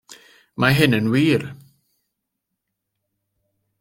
Mae hyn yn wir!